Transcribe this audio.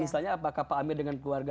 misalnya apakah pak amir dengan keluarga